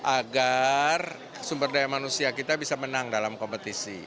agar sumber daya manusia kita bisa menang dalam kompetisi